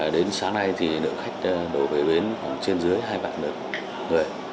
đến sáng nay thì lượng khách đổ về bến khoảng trên dưới hai vạn lượt người